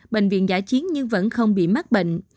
bệnh viện giả chiến nhưng vẫn không bị mắc bệnh